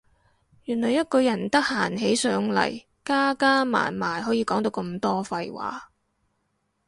原來一個人得閒起上嚟加加埋埋可以講到咁多廢話